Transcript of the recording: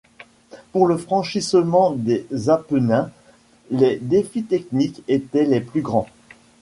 Pour le franchissement des Apennins les défis techniques étaient les plus grands.